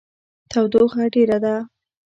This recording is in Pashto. تودوخه ډیره ده